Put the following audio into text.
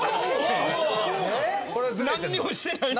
何にもしてないのに。